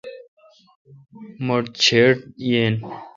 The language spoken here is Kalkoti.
مٹھ چِھڑ یین۔